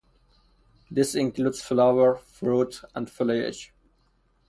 This includes flower, fruit and foliage.